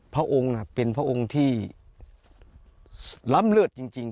พระองค์เป็นพระองค์ที่ล้ำเลิศจริง